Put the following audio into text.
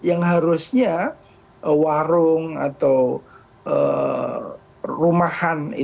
yang harusnya warung atau rumahan